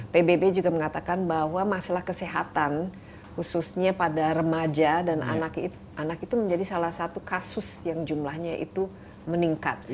pbb juga mengatakan bahwa masalah kesehatan khususnya pada remaja dan anak itu menjadi salah satu kasus yang jumlahnya itu meningkat